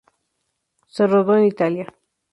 Se rodó en Italia.